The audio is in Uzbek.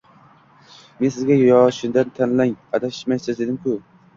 Men sizga yoshidan tanlang, adashmaysiz, devdim-ku